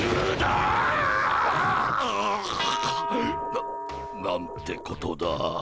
ななんてことだ。